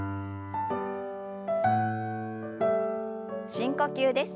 深呼吸です。